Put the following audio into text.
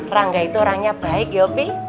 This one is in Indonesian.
rangga itu orangnya baik yopi